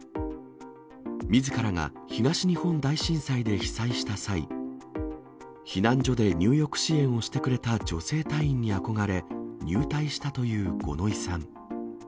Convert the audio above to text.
みずからが東日本大震災で被災した際、避難所で入浴支援をしてくれた女性隊員に憧れ、入隊したという五ノ井さん。